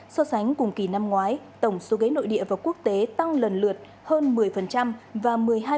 so sánh cùng kỳ năm ngoái tổng số ghế nội địa và quốc tế tăng lần lượt hơn một mươi và một mươi hai